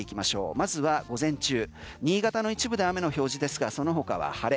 まずは午前中新潟の一部で雨の表示その他は晴れ。